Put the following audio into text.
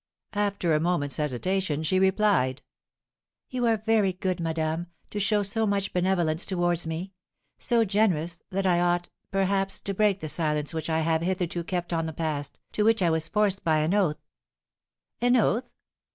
After a moment's hesitation, she replied: "You are very good, madame, to show so much benevolence towards me, so generous, that I ought, perhaps, to break the silence which I have hitherto kept on the past, to which I was forced by an oath " "An oath?"